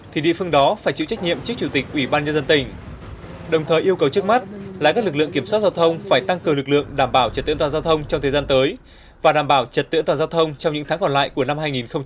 thì phải tăng cường lực lượng đảm bảo trật tiễn toàn giao thông trong thời gian tới và đảm bảo trật tiễn toàn giao thông trong những tháng còn lại của năm hai nghìn một mươi sáu